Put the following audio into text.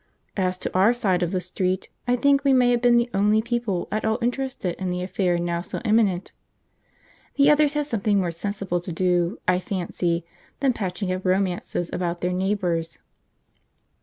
As to our side of the street, I think we may have been the only people at all interested in the affair now so imminent. The others had something more sensible to do, I fancy, than patching up romances about their neighbours.